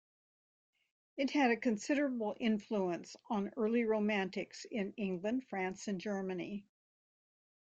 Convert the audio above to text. It had a considerable influence on early Romantics in England, France and Germany.